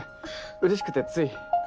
うれしくてつい。